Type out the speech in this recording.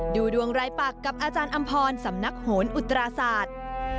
ดูดวงรายปักกับอาจารย์อำพรสำนักโหนอุตราศาสตร์